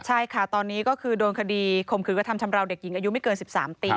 ใช่ค่ะตอนนี้ก็คือโดนคดีข่มขืนกระทำชำราวเด็กหญิงอายุไม่เกิน๑๓ปี